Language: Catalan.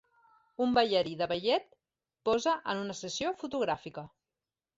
Un ballarí de ballet posa en una sessió fotogràfica.